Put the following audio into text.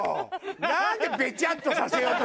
なんでベチャッとさせようとするのよ！